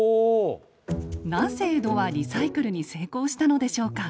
なぜ江戸はリサイクルに成功したのでしょうか？